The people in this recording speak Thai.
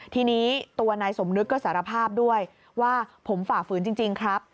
ทีนี้ตัวนายสมนึกก็สารภาพด้วยว่าผมฝ่าฝืนจริงครับ